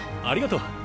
ありがとう。